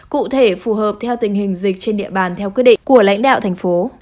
cụ thể phù hợp theo tình hình dịch trên địa bàn theo quyết định của lãnh đạo thành phố